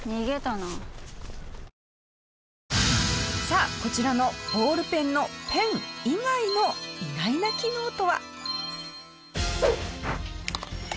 さあこちらのボールペンのペン以外の意外な機能とは？